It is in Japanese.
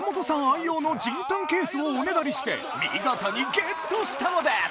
愛用の仁丹ケースをおねだりして見事にゲットしたのです！